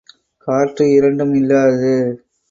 காற்று இரண்டும் இல்லாதது.